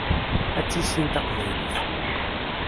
Ad tissin taqbaylit.